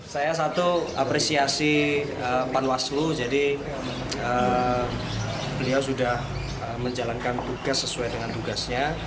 saya satu apresiasi panwaslu jadi beliau sudah menjalankan tugas sesuai dengan tugasnya